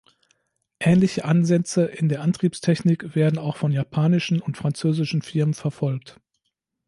Ähnliche Ansätze in der Antriebstechnik werden auch von japanischen und französischen Firmen verfolgt.